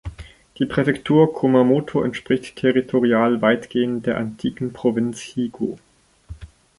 Die Präfektur Kumamoto entspricht territorial weitgehend der antiken Provinz Higo.